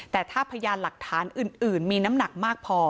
แต่ถ้าพยานหลักฐานอื่นมีน้ำหนักมากพอ